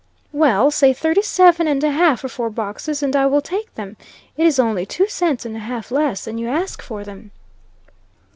"Well, say thirty seven and a half for four boxes, and I will take them. It is only two cents and a half less than you ask for them."